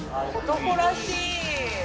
男らしい。